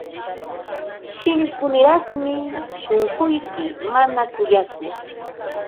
Shillkuniraqmi shunquyki, mana kuyakuq.